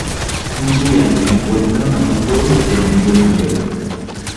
Un día encuentran a un joven tendido en la hierba.